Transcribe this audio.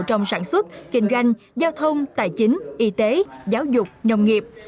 trong sản xuất kinh doanh giao thông tài chính y tế giáo dục nông nghiệp